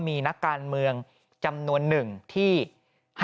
ปี๖๕วันเกิดปี๖๔ไปร่วมงานเช่นเดียวกัน